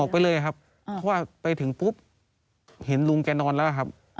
ไปเลยครับเพราะว่าไปถึงปุ๊บเห็นลุงแกนอนแล้วครับ